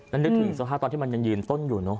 แล้วนึกถึงสภาพตอนที่มันยังยืนต้นอยู่เนอะ